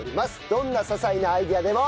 どんな些細なアイデアでも。